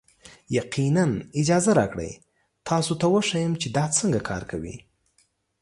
یقینا، اجازه راکړئ تاسو ته وښیم چې دا څنګه کار کوي.